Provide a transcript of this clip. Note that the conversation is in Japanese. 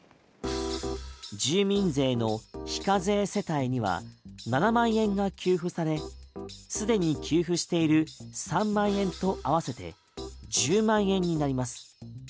住民税の非課税世帯には７万円が給付されすでに給付している３万円と合わせて１０万円になります。